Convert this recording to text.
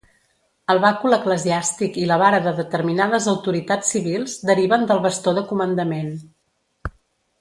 El bàcul eclesiàstic i la vara de determinades autoritats civils deriven del bastó de comandament.